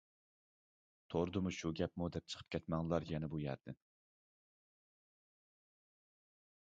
توردىمۇ شۇ گەپمۇ دەپ چىقىپ كەتمەڭلار يەنە بۇ يەردىن.